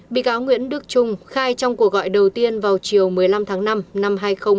bị cáo nguyễn đức trung khai trong cuộc gọi đầu tiên vào chiều một mươi năm tháng năm năm hai nghìn một mươi ba